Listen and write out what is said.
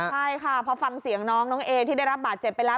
ใช่ค่ะพอฟังเสียงน้องน้องเอที่ได้รับบาดเจ็บไปแล้ว